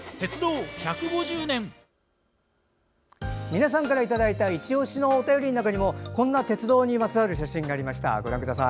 皆さんからいただいたいちオシのお便りの中にもこんな鉄道にまつわる写真がありました。